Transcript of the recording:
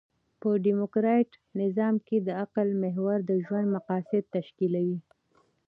په ډيموکراټ نظام کښي د عقل محور د ژوند مقاصد تشکیلوي.